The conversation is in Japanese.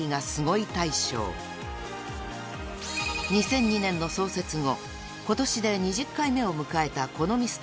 ［２００２年の創設後今年で２０回目を迎えた『このミス』大賞］